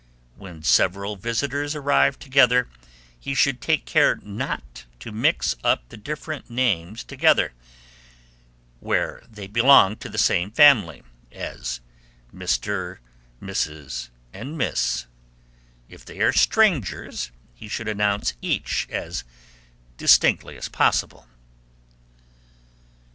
When several visitors arrive together, he should take care not to mix up the different names together, where they belong to the same family, as Mr., Mrs., and Miss; if they are strangers, he should announce each as distinctly as possible.